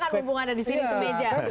bukan hubungannya di sini ke meja